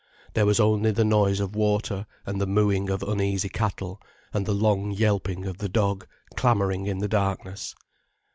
There was only the noise of water and the mooing of uneasy cattle, and the long yelping of the dog, clamouring in the darkness.